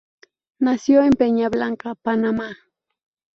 Nació en Peña Blanca, Panamá.